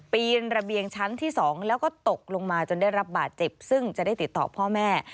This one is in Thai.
ปีนระเบียงชั้นที่๒แล้วก็ตกลงมาจนได้รับบาดเจ็บซึ่งจะได้ติดต่อพ่อแม่